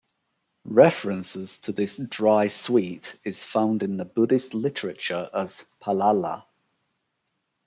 References to this dry sweet is found in the Buddhist literature as "palala".